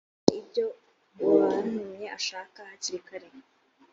mukora ibyo uwantumye ashaka hakiri kare